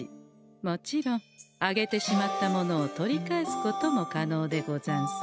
もちろんあげてしまったものを取り返すことも可能でござんす。